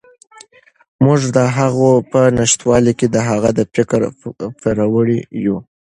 موږ د هغه په نشتوالي کې د هغه د فکر پوروړي یو.